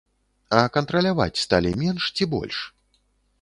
А кантраляваць сталі менш ці больш?